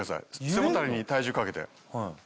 背もたれに体重かけて。